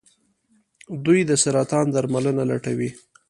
دوی د سرطان درملنه لټوي.